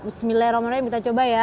bismillahirrahmanirrahim kita coba ya